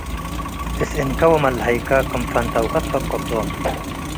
አስእንከ ወመለሀይከ ክም ትፈንተውከ ትፈቅዶም።